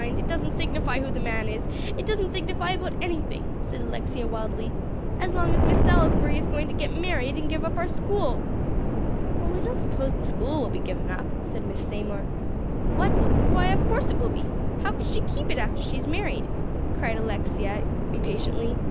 It doesn't signify who the man is. It doesn't signify about anything," said Alexia wildly, "as long as Miss Salisbury is going to get married and give up our school." "Oh, I don't suppose the school will be given up," said Miss Seymour. "What? Why, of course it will be. How can she keep it after she is married?" cried Alexia impatiently.